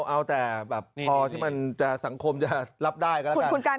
เอาแต่แบบพอที่มันจะสังคมจะรับได้ก็แล้วกัน